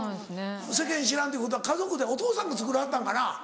世間知らんということは家族でお父さんが作らはったんかな？